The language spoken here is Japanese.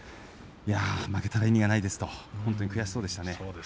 負けたら意味がないですというふうに本当に悔しそうでした。